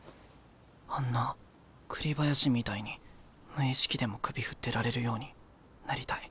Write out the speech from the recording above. あんな栗林みたいに無意識でも首振ってられるようになりたい。